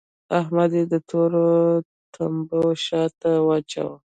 احمد يې د تورو تمبو شا ته واچاوو.